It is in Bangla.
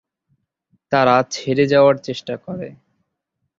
তারা ছেড়ে যাওয়ার চেষ্টা করে।